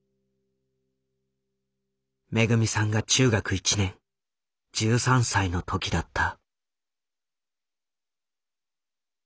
めぐみさんが中学１年１３歳の時だった。